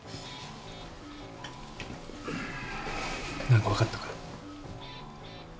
何か分かったか？